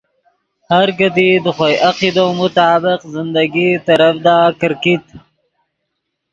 ہر کیدی دے خوئے عقیدو مطابق زندگی ترڤدا کرکیت